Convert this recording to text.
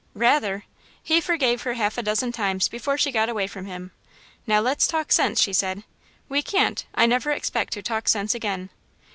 "Rather!" He forgave her half a dozen times before she got away from him. "Now let's talk sense," she said. "We can't I never expect to talk sense again."